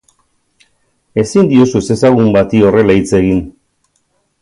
Ezin diozu ezezagun bati horrela hitz egin.